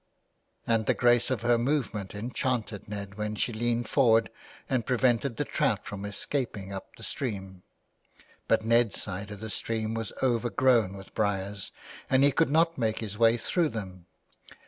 And the grace of her movement enchanted Ned when she leaned forward and prevented the trout from escaping up the stream. But Ned's side of the stream was overgrown with briers and he could not make his way through them.